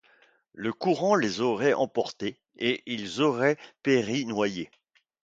Le courant les aurait emportés et ils auraient péri noyés.